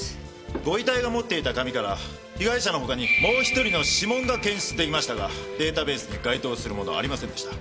ご遺体が持っていた紙から被害者の他にもう一人の指紋が検出できましたがデータベースに該当するものはありませんでした。